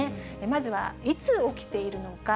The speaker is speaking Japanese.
まずはいつ起きているのか。